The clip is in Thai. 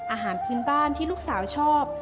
อาหารพื้นบ้านที่ลูกสาวชอบ